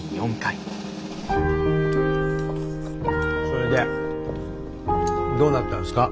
それでどうなったんですか？